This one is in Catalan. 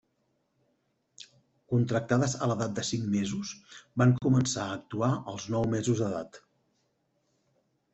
Contractades a l'edat de cinc mesos, van començar a actuar als nou mesos d'edat.